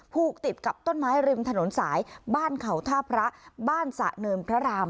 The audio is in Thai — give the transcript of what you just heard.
ผูกติดกับต้นไม้ริมถนนสายบ้านเขาท่าพระบ้านสะเนินพระราม